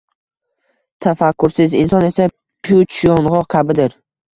Tafakkursiz inson esa puch yong‘oq kabidir.